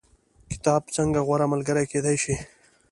کتاب څنګه غوره ملګری کیدی شي؟